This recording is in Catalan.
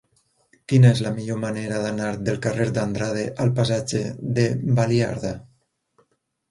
Quina és la millor manera d'anar del carrer d'Andrade al passatge de Baliarda?